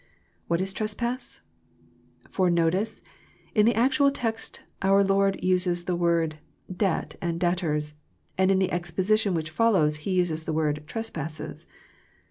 What is tres pass ? For notice, in the actual text our Lord used the words " Debt " and " debtors " and in the exposition which follows. He used the word "trespasses."